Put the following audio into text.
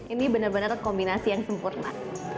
ini benar benar kombinasi yang sempurna